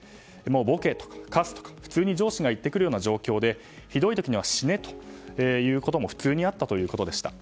ボケ、カスとか普通に上司が言ってくる状況でひどい時には死ねという言葉も普通にあったということでした。